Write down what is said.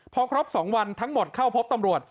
พอครบ๒วันทั้งหมดเข้าพบตำรวจ